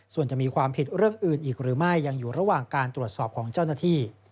ส่วนจะมีความผิดเรื่องอื่นอีกหรือไม่ยังอยู่ระหว่างการตรวจสอบของเจ้าหน้าที่